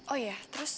oh iya terus